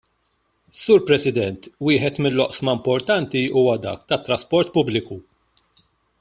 Sur President, wieħed mill-oqsma importanti huwa dak tat-trasport pubbliku.